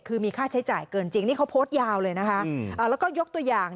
คือมีค่าใช้จ่ายเกินจริงนี่เขาโพสต์ยาวเลยนะคะแล้วก็ยกตัวอย่าง